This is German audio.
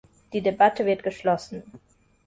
Die Debatte wird geschlossen.